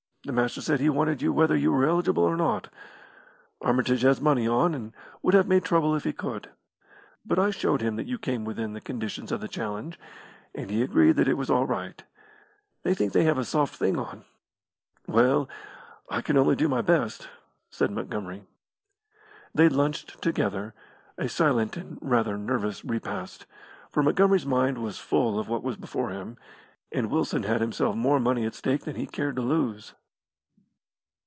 The Master said he wanted you whether you were eligible or not. Armitage has money on, and would have made trouble if he could. But I showed him that you came within the conditions of the challenge, and he agreed that it was all right. They think they have a soft thing on." "Well, I can only do my best," said Montgomery. They lunched together; a silent and rather nervous repast, for Montgomery's mind was full of what was before him, and Wilson had himself more money at stake than he cared to lose.